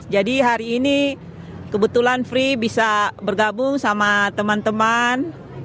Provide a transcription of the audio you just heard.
jadi hari ini kebetulan free bisa bergabung sama teman teman